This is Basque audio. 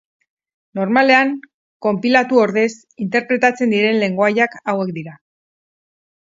Normalean konpilatu ordez interpretatzen diren lengoaiak hauek dira.